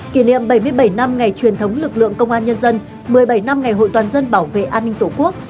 kỷ niệm bảy mươi bảy năm ngày truyền thống lực lượng công an nhân dân một mươi bảy năm ngày hội toàn dân bảo vệ an ninh tổ quốc